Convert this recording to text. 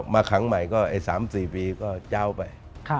มาครั้งใหม่๓๔ปีก็เจ้าไป